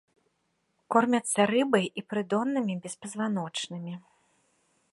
Кормяцца рыбай і прыдоннымі беспазваночнымі.